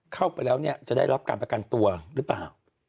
เข้าไปแล้วเนี่ยจะได้รับการประกันตัวหรือเปล่า